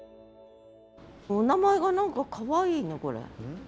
お名前が何かかわいいねこれ。